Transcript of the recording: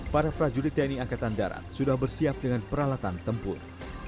para prajurit tni angkatan darat sudah bersiap dengan peralatan tempur